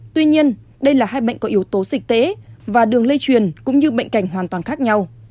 tuy nhiên đây là hai bệnh có yếu tố dịch tễ và đường lây truyền cũng như bệnh cảnh hoàn toàn khác nhau